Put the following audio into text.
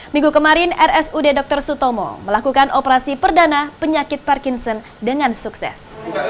minggu kemarin rsud dr sutomo melakukan operasi perdana penyakit parkinson dengan sukses